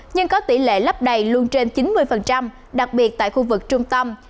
nhưng có tỷ lệ lấp đầy luôn trên chín mươi đặc biệt tại khu vực trung tâm